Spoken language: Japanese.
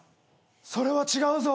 ・それは違うぞ。